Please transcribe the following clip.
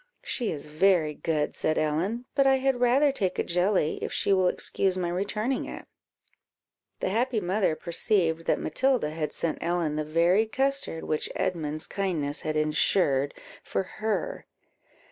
"She is very good," said Ellen, "but I had rather take a jelly, if she will excuse my returning it." The happy mother perceived that Matilda had sent Ellen the very custard which Edmund's kindness had ensured for her.